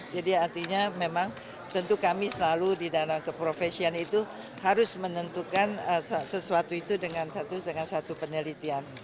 jadi artinya memang tentu kami selalu di dalam keprofesian itu harus menentukan sesuatu itu dengan satu penelitian